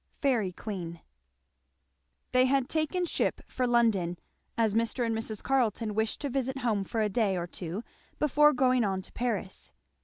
Færy Queene. They had taken ship for London, as Mr. and Mrs. Carleton wished to visit home for a day or two before going on to Paris.